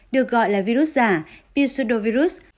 được gọi là virus giả pilsudovirus